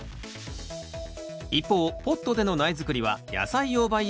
一方ポットでの苗づくりは野菜用培養土を入れ